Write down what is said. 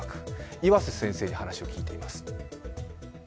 岩瀬先生に話を聞いています。